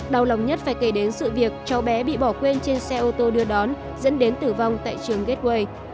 đau lòng nhất phải kể đến sự việc cháu bé bị bỏ quên trên xe ô tô đưa đón dẫn đến tử vong tại trường gateway